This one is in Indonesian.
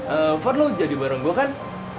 eh varn lo jadi bareng gue kan